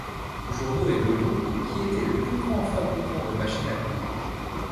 Journaux & Leblond qui était le plus grand fabriquant de machines à coudre.